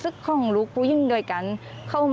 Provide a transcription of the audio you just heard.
แต่เธอก็ไม่ละความพยายาม